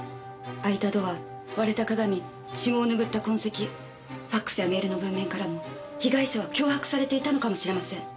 開いたドア割れた鏡血を拭った痕跡ファックスやメールの文面からも被害者は脅迫されていたのかもしれません。